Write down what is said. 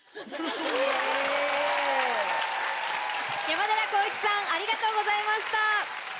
山寺宏一さんありがとうございました。